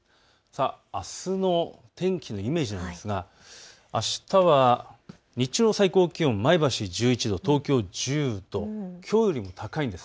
あすの天気のイメージなんですがあしたは日中の最高気温、前橋１１度、東京１０度、きょうよりも高いんです。